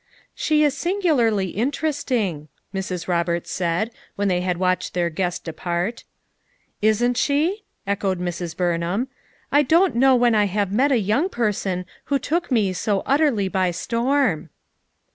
"She is singularly interesting, " Mrs. Roberts said, when they had watched their guest de part "Isn't she?" echoed Mrs. Burnham. "I don ? t know when I have met a young person who took me so utterly by storm."